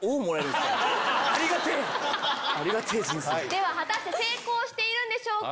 では果たして成功しているんでしょうか？